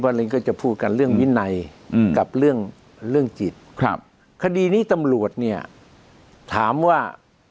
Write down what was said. เรื่องจิตครับคดีนี้ตำรวจเนี่ยถามว่า